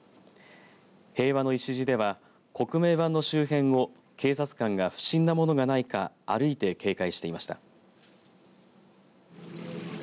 平和の礎では刻銘板の周辺を警察官が不審な物がないか歩いて警戒していました。